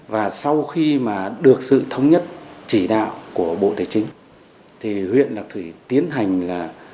và sau khi mà được sự thống nhất chỉ đạo của bộ tài chính thì huyện lạc thủy tiến hành là